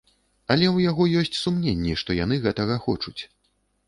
Але ў яго ёсць сумненні, што яны гэтага хочуць.